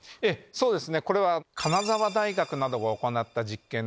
そうです。